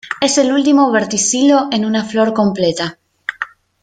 Es el último verticilo en una flor completa.